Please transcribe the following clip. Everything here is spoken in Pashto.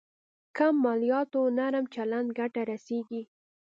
کم مالياتو نرم چلند ګټه رسېږي.